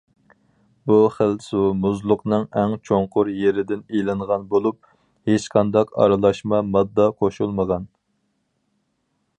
بۇ خىل سۇ مۇزلۇقنىڭ ئەڭ چوڭقۇر يېرىدىن ئېلىنغان بولۇپ، ھېچقانداق ئارىلاشما ماددا قوشۇلمىغان.